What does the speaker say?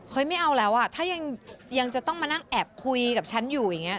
ไม่เอาแล้วอ่ะถ้ายังจะต้องมานั่งแอบคุยกับฉันอยู่อย่างนี้